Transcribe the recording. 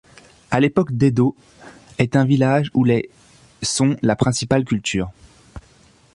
À l'époque d'Edo, est un village où les sont la principale culture.